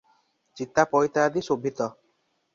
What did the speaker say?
ଚିତା-ପଇତାଦି ଶୋଭିତ ।।